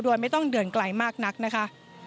โดยไม่ต้องเดินไกลมากนักนะคะ